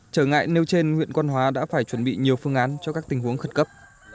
trở ngại nêu trên huyện quan hóa đã phải chuẩn bị nhiều phương án cho các tình huống khẩn cấp